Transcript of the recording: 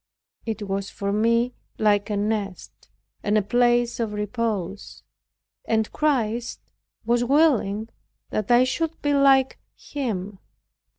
It was for me like a nest and a place of repose and Christ was willing that I should be like Him.